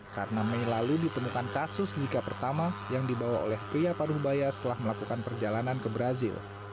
karena mei lalu ditemukan kasus zika pertama yang dibawa oleh pria paduhbaya setelah melakukan perjalanan ke brazil